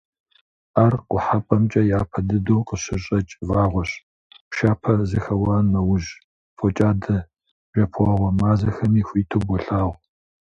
Ар Къухьэпӏэмкӏэ япэ дыдэу къыщыщӏэкӏ вагъуэщ, пшапэ зэхэуа нэужь, фокӏадэ-жэпуэгъуэ мазэхэми хуиту болъагъу.